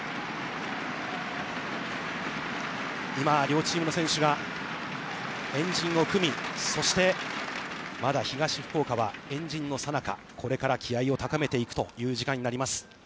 今、両チームの選手が円陣を組み、そして、まだ東福岡は円陣のさなか、これから気合いを高めていくという時間になります。